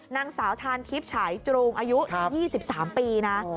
นางสาวทานทิพย์ฉายจรูงอายุ๒๓ปีนะ